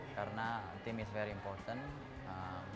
karena tim sangat penting